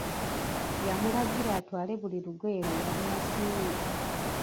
Yamulagira atwale buli lugoye lwe yali asiimye.